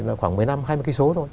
là khoảng một mươi năm hai mươi km thôi